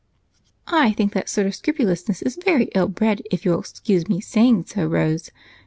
"I think that sort of scrupulousness is very ill bred, if you'll excuse my saying so, Rose.